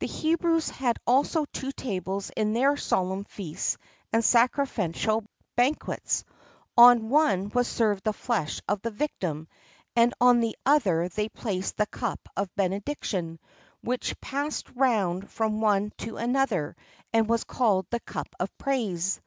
The Hebrews had also two tables in their solemn feasts and sacrificial banquets; on one was served the flesh of the victim, and on the other they placed the cup of benediction, which passed round from one to another, and was called "the cup of praise."